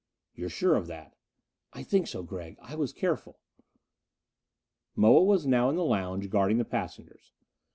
"You're sure of that?" "I think so, Gregg. I was careful." Moa was now in the lounge, guarding the passengers.